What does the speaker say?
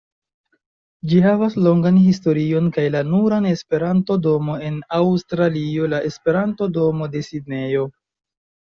Ĝi havas longan historion kaj la nuran Esperanto-domon en Aŭstralio: la Esperanto-domo de Sidnejo.